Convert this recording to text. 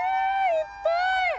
いっぱい！